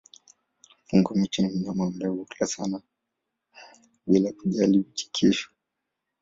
Fungo-miti ni mnyama ambaye hula sana bila kujali kesho.